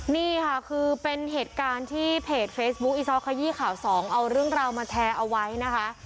นี่ค่ะคือเป็นเหตุการณ์ที่เพจเฟซบุ๊คอีซอลขยี้ข่าวสองเอาเรื่องราวมาแชร์เอาไว้นะคะ